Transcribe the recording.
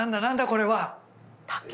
これは！